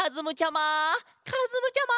かずむちゃま！